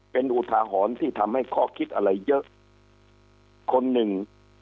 เป็นอุทาหรณ์ที่ทำให้ข้อคิดอะไรเยอะคนหนึ่ง